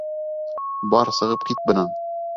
Бар, сығып кит бынан!